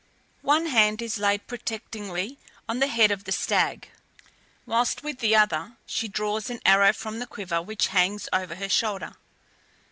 One hand is laid protectingly on the head of the stag, whilst with the other she draws an arrow from the quiver which hangs over her shoulder.